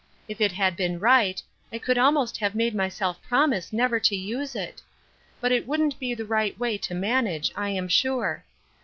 If it had been right, I could almost have made myself promise never to use it. But it wouldn't be the right way to manage, I am sure.